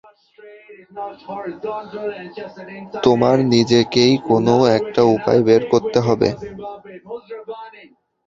তোমার নিজেকেই কোনো একটা উপায় বের করতে হবে।